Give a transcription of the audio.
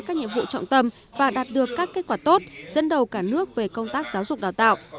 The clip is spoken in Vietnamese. các nhiệm vụ trọng tâm và đạt được các kết quả tốt dẫn đầu cả nước về công tác giáo dục đào tạo